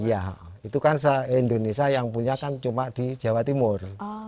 iya itu kan indonesia yang punya kan cuma di jawa timur